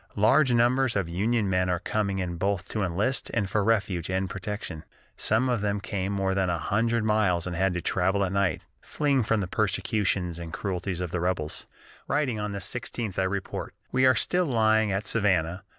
"Large numbers of Union men are coming in both to enlist and for refuge and protection. Some of them came more than a hundred miles and had to travel at night, fleeing from the persecutions and cruelties of the rebels." Writing on the 16th, I report: "We are still lying at Savannah.